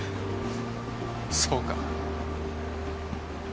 そうか